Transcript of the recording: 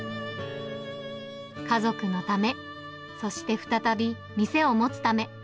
家族のため、そして再び、店を持つため。